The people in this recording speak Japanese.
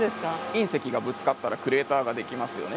隕石がぶつかったらクレーターができますよね。